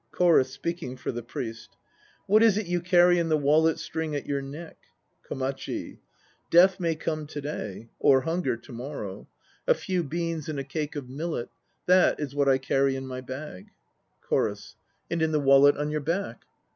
CHORUS (speaking for the PRIEST). What is it you carry in the wallet string at your neck? KOMACHI. Death may come to day or hunger to morrow. SOTOBAKOMACHI 121 A few beans and a cake of millet: That is what I carry in my bag. CHORUS. And in the wallet on your back?